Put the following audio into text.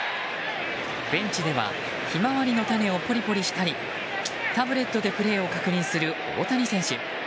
ベンチではヒマワリの種をポリポリしたりタブレットでプレーを確認する大谷選手。